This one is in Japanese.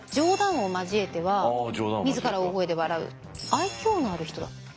「愛嬌のある人だった」？